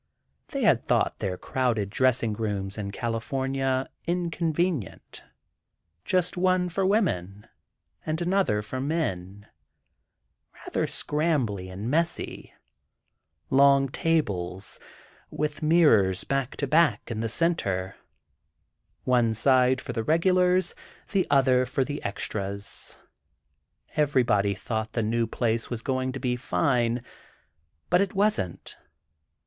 They had thought their crowded dressing rooms in California inconvenient—just one for women and another for men, rather scrambly and messy ... long tables, with mirrors back to back, in the center ... one side for the regulars, the other for the extras. Everybody thought the new place was going to be fine, but it wasn't.